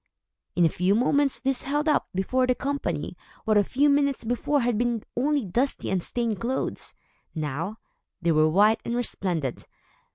In a few moments, these held up, before the company, what a few minutes before had been only dusty and stained clothes. Now, they were white and resplendent.